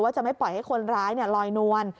จะไม่ปล่อยให้คนร้ายลอยนวล